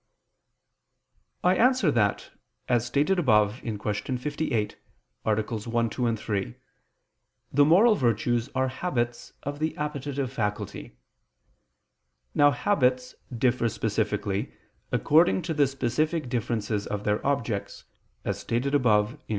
I answer that, As stated above (Q. 58, AA. 1, 2, 3), the moral virtues are habits of the appetitive faculty. Now habits differ specifically according to the specific differences of their objects, as stated above (Q.